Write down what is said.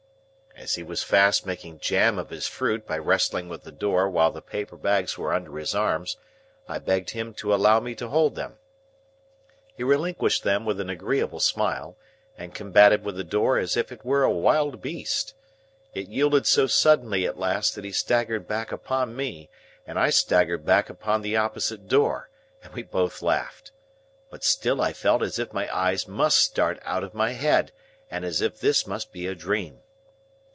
As he was fast making jam of his fruit by wrestling with the door while the paper bags were under his arms, I begged him to allow me to hold them. He relinquished them with an agreeable smile, and combated with the door as if it were a wild beast. It yielded so suddenly at last, that he staggered back upon me, and I staggered back upon the opposite door, and we both laughed. But still I felt as if my eyes must start out of my head, and as if this must be a dream.